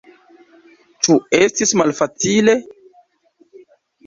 Ĉu estis malfacile?